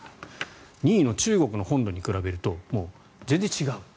２位の中国の本土に比べると全然違うと。